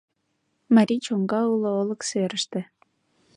Марий чоҥга уло олык серыште.